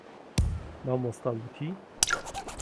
مامۆستا وتی.